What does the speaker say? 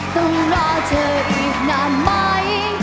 ต้องรอเธออีกนานไหม